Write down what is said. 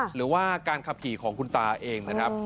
หรือว่าการขับขี่ของคุณตาเองนะครับ